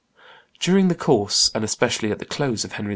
During the course, and especially at the close of Henry II.